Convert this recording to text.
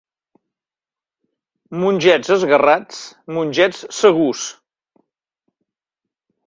Mongets esguerrats, mongets segurs.